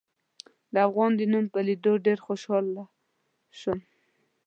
د افغان د نوم په لیدلو ډېر زیات خوشحاله شوم.